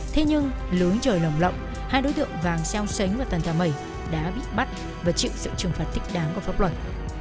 thế nhưng lưới trời lồng lộng hai đối tượng vàng xeo sánh và tần thà mẩy đã bị bắt và chịu sự trừng phạt thích đáng của pháp luật